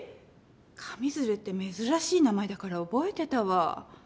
上水流って珍しい名前だから覚えてたわ。